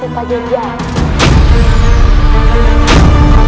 hormat saya gusti prabu surawisesta